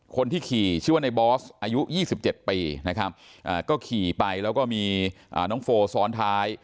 คนที่ขี่ชื่อว่าในบอสอายุ๒๗ปีนะครับก็ขี่ไปแล้วก็มีน้องโฟซ้อนท้าย